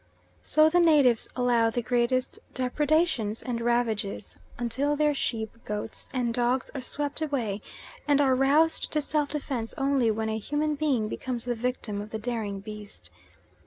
So the natives allow the greatest depredations and ravages until their sheep, goats, and dogs are swept away, and are roused to self defence only when a human being becomes the victim of the daring beast.